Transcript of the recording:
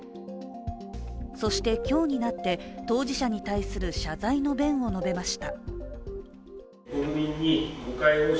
そして今日になって、当事者に対する謝罪の弁を述べました。